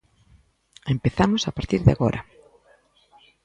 Empezamos a partir de agora.